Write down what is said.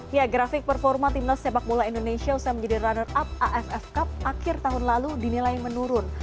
ya grafik performa timnas sepak bola indonesia usai menjadi runner up aff cup akhir tahun lalu dinilai menurun